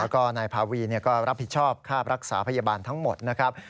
แล้วก็นายพาวีก็รับผิดชอบค่ารักษาพยาบาลทั้งหมดนะครับ